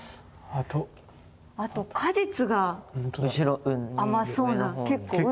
あと果実が甘そうな結構熟れてる。